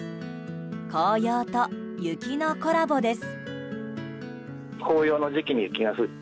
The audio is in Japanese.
紅葉と雪のコラボです。